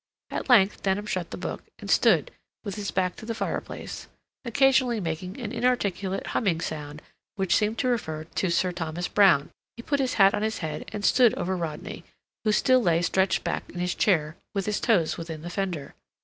At length Denham shut the book, and stood, with his back to the fireplace, occasionally making an inarticulate humming sound which seemed to refer to Sir Thomas Browne. He put his hat on his head, and stood over Rodney, who still lay stretched back in his chair, with his toes within the fender.